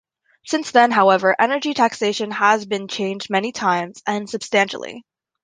Since then, however, energy taxation has been changed many times and substantially.